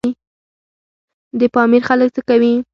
د پامیر خلک څه کوي؟